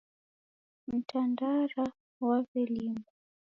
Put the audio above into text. Mtandara ghwawelimwa